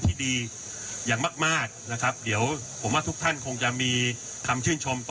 ที่ดีอย่างมากมากนะครับเดี๋ยวผมว่าทุกท่านคงจะมีคำชื่นชมต่อ